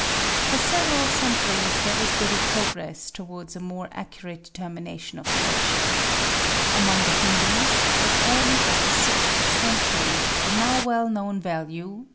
For several centuries there was little progress towards 16 THE SEVEN FOLLIES OF SCIENCE a more accurate determination of the ratio. Among the Hindoos, as early as the sixth century, the now well known value, 3.